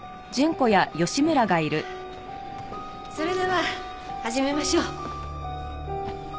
それでは始めましょう。